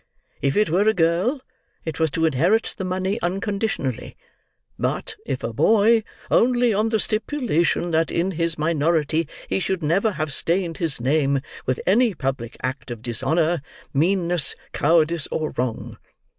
If it were a girl, it was to inherit the money unconditionally; but if a boy, only on the stipulation that in his minority he should never have stained his name with any public act of dishonour, meanness, cowardice, or wrong.